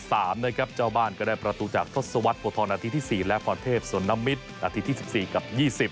สุราธานีเจ้าบ้านก็ได้ประตูจากทศวรรษโปทนที่๔และพรเทพศนมิตรนที่๑๔กับ๒๐